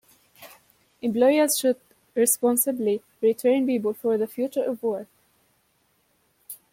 Employers should responsibly retrain people for the future of work.